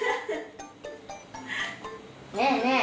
ねえねえ。